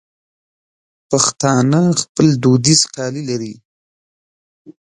پښتانه خپل دودیز کالي لري.